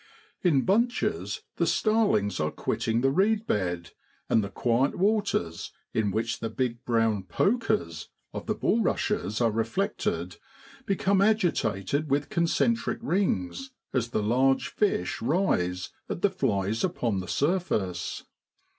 In bunches the starlings are quitting the reed bed, and the quiet waters in which the big brown ' pokers ' of the bulrushes are reflected become agitated with concentric rings as the large fish JULY IN BEOADLAND. 71 rise at the flies upon the surface.